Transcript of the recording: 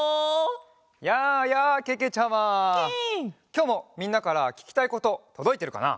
きょうもみんなからききたいこととどいてるかな？